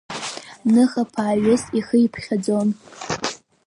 Ныха-ԥааҩыс ихы иԥхьаӡон…